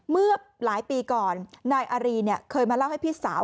เมื่อหลายปีก่อนนายอารีเนี่ยเคยมาเล่าให้พี่สาว